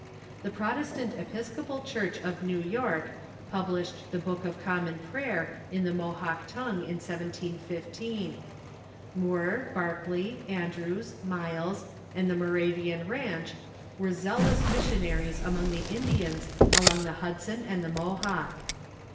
The Protestant Epis copal Church of New York published the Book of Common Prayer in the Mohawk tongue in 1715. Moore, Barclay, An drews, Miles, and the Moravian Ranch were zealous mission aries among the Indians along the Hudson and the Mohawk.